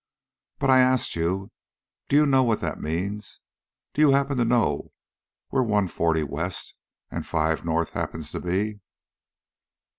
"But I asked you, do you know what that means? Do you happen to know where One Forty West and Five North happens to be?"